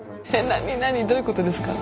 何何どういうことですか？